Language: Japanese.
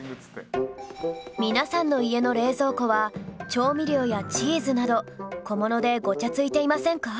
皆さんの家の冷蔵庫は調味料やチーズなど小物でごちゃついていませんか？